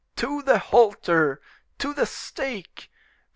"To the halter!" "To the stake!"